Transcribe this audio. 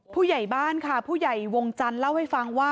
ผู้ใหญ่บ้านค่ะผู้ใหญ่วงจันทร์เล่าให้ฟังว่า